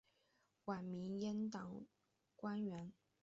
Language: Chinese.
晚明阉党官员。